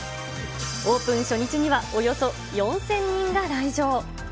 オープン初日には、およそ４０００人が来場。